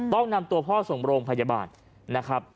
ต้องนำตัวพ่อส่งโรงพยาบาลนะครับ